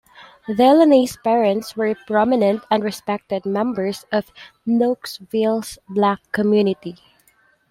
Delaney's parents were prominent and respected members of Knoxville's black community.